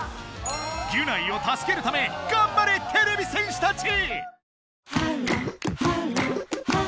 ギュナイをたすけるためがんばれてれび戦士たち！